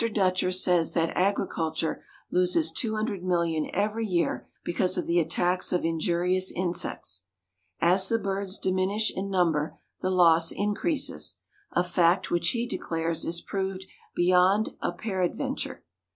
Dutcher says that agriculture loses two hundred million every year because of the attacks of injurious insects. As the birds diminish in number, the loss increases, a fact which he declares is proved beyond a peradventure.